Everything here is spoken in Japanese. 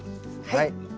はい。